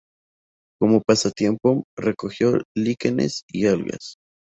Como pasatiempo, recogió líquenes y algas.